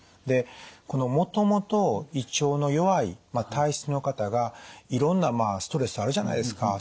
でもともと胃腸の弱い体質の方がいろんなストレスあるじゃないですか。